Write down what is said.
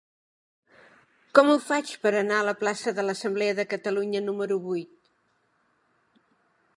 Com ho faig per anar a la plaça de l'Assemblea de Catalunya número vuit?